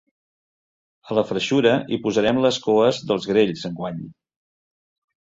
A la freixura hi posarem les coes dels grells, enguany.